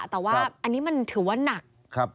แต่ว่าอันนี้มันถือว่าหนัก